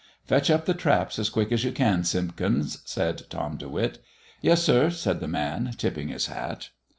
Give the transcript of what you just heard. "Fetch up the traps as quick as you can, Simpkins," said Tom De Witt. "Yes, sir," said the man, tipping his hat.